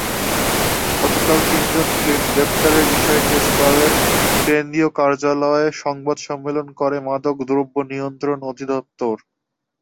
গতকাল তিনজনকে গ্রেপ্তারের বিষয়ে তেজগাঁওয়ের কেন্দ্রীয় কার্যালয়ে সংবাদ সম্মেলন করে মাদকদ্রব্য নিয়ন্ত্রণ অধিদপ্তর।